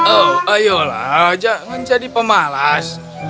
oh ayolah jangan jadi pemalas